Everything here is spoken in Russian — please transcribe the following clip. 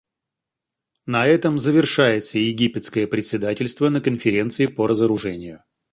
На этом завершается египетское председательство на Конференции по разоружению.